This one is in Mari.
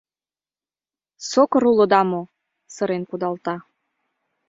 Сокыр улыда мо? — сырен кудалта.